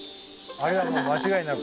あれはもう間違いなく。